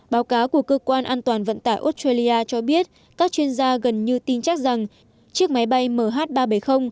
báo cáo của cơ quan an toàn vận tải australia cho biết các chuyên gia gần như tin chắc rằng chiếc máy bay mh ba trăm bảy mươi